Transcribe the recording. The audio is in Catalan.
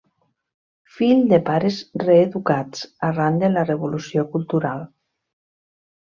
Fill de pares reeducats arran de la Revolució Cultural.